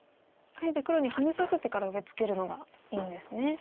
あえて黒にハネさせてから上ツケるのがいいんですね。